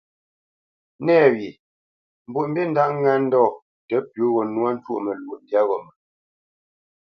Nɛ̂wye Mbwoʼmbî ndáʼ ŋá ndɔ̂ tə pʉ̌ gho nwá ntwôʼ məlwɔʼ ndyǎ ghó mə.